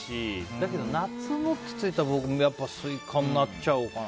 だけど夏のってついたらやっぱ、スイカになっちゃうかな。